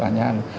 và nhà nước